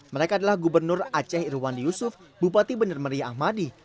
mereka adalah gubernur aceh irwandi yusuf bupati benar meriah ahmadi